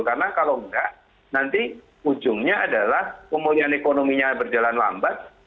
karena kalau enggak nanti ujungnya adalah kemudian ekonominya berjalan lambat